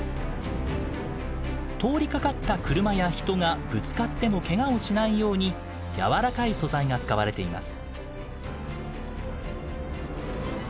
通りかかった車や人がぶつかってもけがをしないように柔らかい素材が使われています。